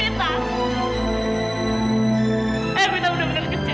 evita udah benar benar kecil